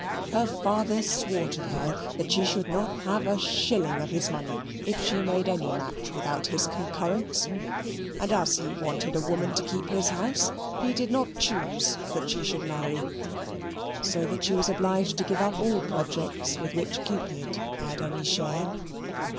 Her father swore to her that she should not have a shilling of his money if she made any match without his concurrence; and as he wanted a woman to keep his house, he did not choose that she should marry, so that she was obliged to give up all projects with which Cupid had any share.